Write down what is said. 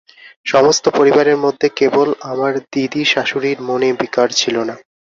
সমস্ত পরিবারের মধ্যে কেবল আমার দিদিশাশুড়ির মনে বিকার ছিল না।